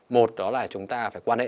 một đó là chúng ta phải quan hệ